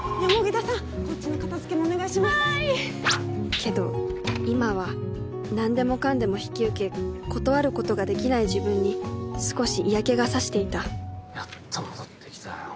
けど今は何でもかんでも引き受け断ることができない自分に少し嫌気が差していたやっと戻ってきたよ。